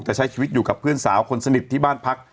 จะใช้ชีวิตอยู่กับเพื่อนสาวคนสนิทที่บ้านพัก